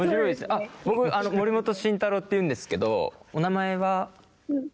あっ僕森本慎太郎っていうんですけどお名前は？